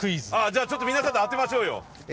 じゃあちょっと皆さんで当てましょうよ。